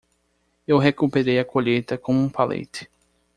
Eu recuperei a colheita com um palete.